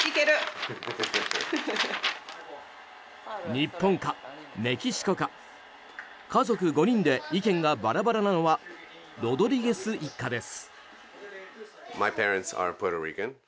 日本かメキシコか家族５人で意見がバラバラなのはロドリゲス一家です。